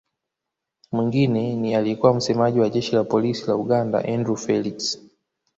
Mwingine ni aliyekuwa msemaji wa Jeshi la Polisi la Uganda Andrew Felix